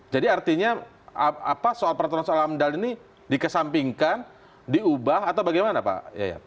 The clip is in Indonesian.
jadi artinya apa soal pertolongan soal amdal ini dikesampingkan diubah atau bagaimana pak jaya